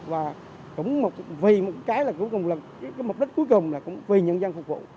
và cũng vì một cái là cuối cùng là cái mục đích cuối cùng là cũng vì nhân dân phục vụ